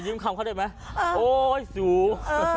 ขอยิ้มคำเขาได้ไหมโอ้ยสูง